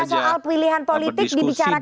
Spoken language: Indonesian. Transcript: bicara soal pilihan politik dibicarakan enggak